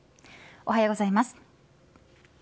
おはようございます。